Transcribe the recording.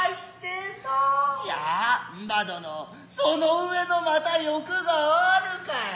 や姥殿其の上のまた慾があるかい。